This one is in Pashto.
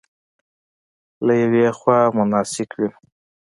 له یوې خوا مناسک وینو.